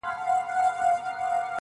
تنها نوم نه چي خصلت مي د انسان سي,